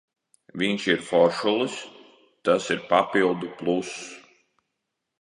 Viņš ir foršulis, tas ir papildu pluss.